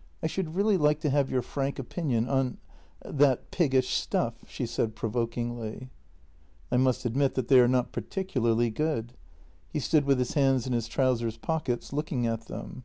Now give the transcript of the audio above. " I should really like to have your frank opinion on — that piggish stuff," she said provokingly. " I must admit that they are not particularly good." He stood with his hands in his trouser pockets looking at them.